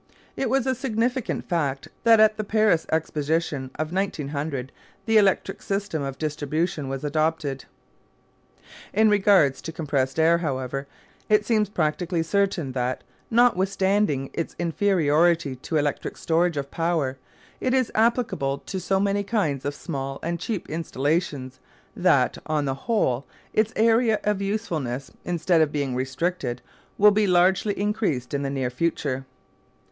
It was a significant fact that at the Paris Exposition of 1900 the electric system of distribution was adopted. In regard to compressed air, however, it seems practically certain that, notwithstanding its inferiority to electric storage of power, it is applicable to so many kinds of small and cheap installations that, on the whole, its area of usefulness, instead of being restricted, will be largely increased in the near future.